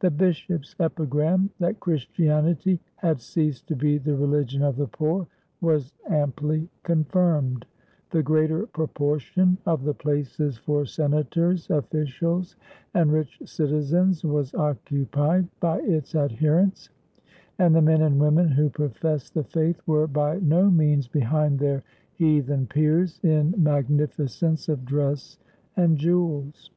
The bishop's epigram: That Christianity had ceased to be the religion of the poor, was amply confirmed; the greater proportion of the places for senators, ofiicials, and rich citizens was occupied by its adherents, and the men and women who professed the Faith were by no means behind their heathen peers, in magnificence of dress and jewels.